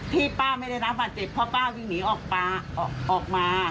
ที่ป้าไม่ได้น้ำฝัดเจ็บเพราะป้าวิ่งหนีออกมา